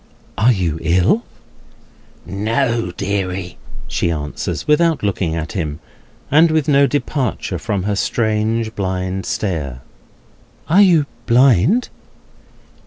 "Are you ill?" "No, deary," she answers, without looking at him, and with no departure from her strange blind stare. "Are you blind?"